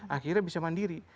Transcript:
akhirnya bisa mandiri